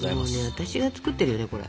私が作ってるよねこれ。